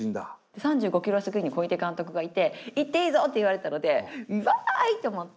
３５ｋｍ過ぎに小出監督がいて「行っていいぞ！」って言われたので「わい！」って思って。